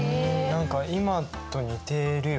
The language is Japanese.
何か今と似てるよね。